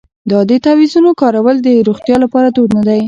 آیا د تعویذونو کارول د روغتیا لپاره دود نه دی؟